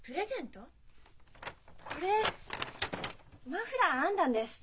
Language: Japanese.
これマフラー編んだんです。